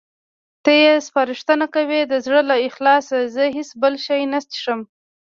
ته یې سپارښتنه کوې؟ د زړه له اخلاصه، زه هېڅ بل شی نه څښم.